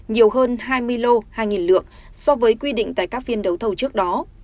nhiều hơn hai mươi lô hai lượng so với quy định tại các phiên đấu thầu trước đó